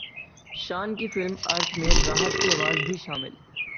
شان کی film Earth میں راحت کی اواز بھی شامل